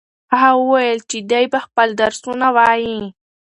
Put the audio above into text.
هغه وویل چې دی به خپل درسونه وايي.